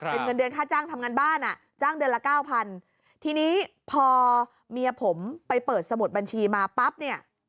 เป็นเงินเดือนค่าจ้างทำงานบ้านอ่ะจ้างเดือนละเก้าพันทีนี้พอเมียผมไปเปิดสมุดบัญชีมาปั๊บเนี่ย